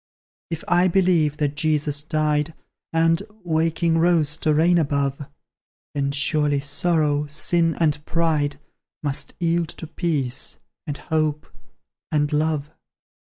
If I believe that Jesus died, And waking, rose to reign above; Then surely Sorrow, Sin, and Pride, Must yield to Peace, and Hope, and Love.